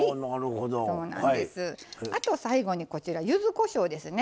あと最後にこちらゆずこしょうですね。